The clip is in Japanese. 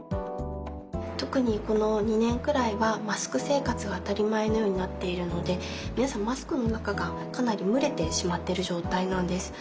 特にこの２年くらいはマスク生活が当たり前のようになっているので皆さんマスクの中がかなり蒸れてしまってる状態なんです。